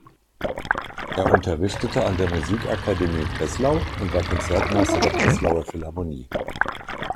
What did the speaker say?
Er unterrichtete an der Musikakademie Breslau und war Konzertmeister der Breslauer Philharmonie.